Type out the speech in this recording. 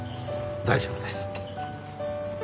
大丈夫です。